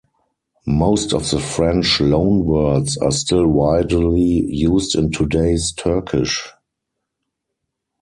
Most of the French loanwords are still widely used in today's Turkish.